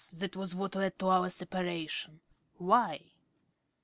That was what led to our separation. Why?